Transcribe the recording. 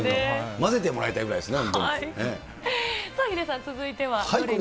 混ぜてもらいたいぐらいですね、本当に。